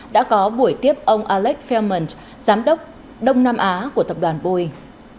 đã có buổi tiếp ông alex feldman giám đốc đông nam á của tập đoàn boeing